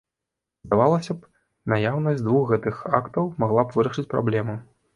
Здавалася б, наяўнасць двух гэтых актаў магла б вырашыць праблему.